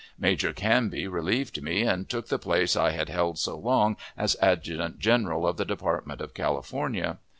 Major Canby relieved me, and took the place I had held so long as adjutant general of the Department of California.